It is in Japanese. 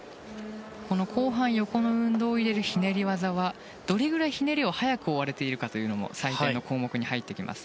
後半、横の運動を入れるひねり技はどれぐらいひねりを早く終えているかということも採点の項目に入ってきます。